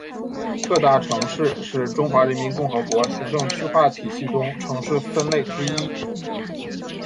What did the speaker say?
特大城市是中华人民共和国行政区划体系中城市分类之一。